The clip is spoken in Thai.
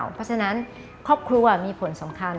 เพราะฉะนั้นครอบครัวมีผลสำคัญ